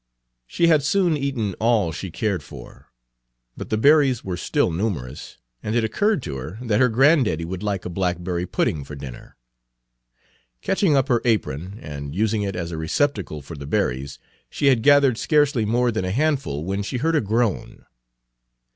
She had soon eaten all she cared for. But the berries were still numerous, and it occurred Page 136 to her that her granddaddy would like a blackberry pudding for dinner. Catching up her apron, and using it as a receptacle for the berries, she had gathered scarcely more than a handful when she heard a groan.